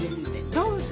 どうぞ。